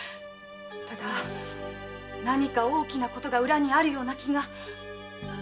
ただ何か大きなことが裏にあるような気が。